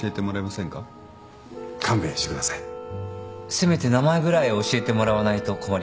せめて名前ぐらい教えてもらわないと困ります。